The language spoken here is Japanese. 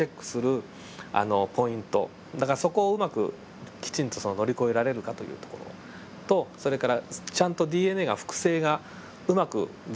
だからそこをうまくきちんと乗り越えられるかというところとそれからちゃんとＤＮＡが複製がうまく全部終わったかと。